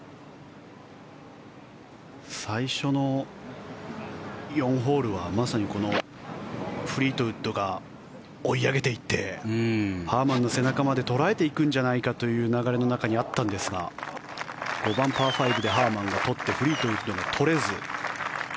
最初の４ホールはまさにこのフリートウッドが追い上げていってハーマンの背中まで捉えていくんじゃないかという流れの中にあったんですが５番、パー５でハーマンが取ってフリートウッドが取れず。